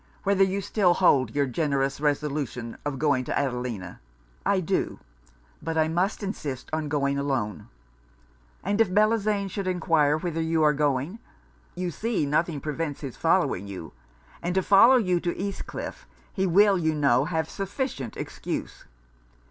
whether you still hold your generous resolution of going to Adelina?' 'I do. But I must insist on going alone.' 'And if Bellozane should enquire whither you are going? You see nothing prevents his following you; and to follow you to East Cliff, he will, you know, have sufficient excuse.